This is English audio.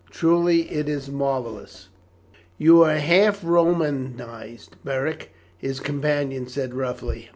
Truly it is marvellous." "You are half Romanized, Beric," his companion said roughly.